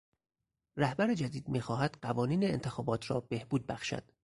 رهبر جدید میخواهد قوانین انتخابات را بهبود بخشد.